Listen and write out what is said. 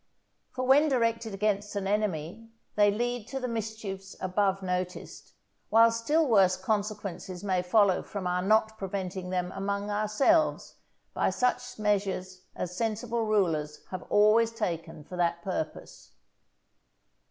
For when directed against an enemy they lead to the mischiefs above noticed, while still worse consequences may follow from our not preventing them among ourselves by such measures as sensible rulers have always taken for that purpose.